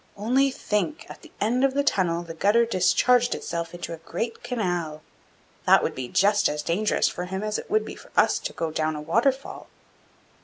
Only think! at the end of the tunnel the gutter discharged itself into a great canal; that would be just as dangerous for him as it would be for us to go down a waterfall.